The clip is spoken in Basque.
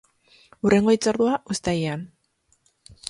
Hurrengo hitzordua, uztailean.